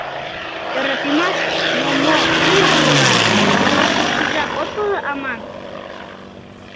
— Йӧратымаште мо-мо лийын шога, тый пешыжак от пале аман?